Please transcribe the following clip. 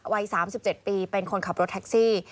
วัย๓๗ปีเป็นคนขับรถแท็กซี่